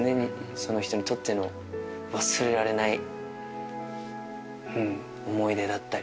その人にとっての忘れられない思い出だったり。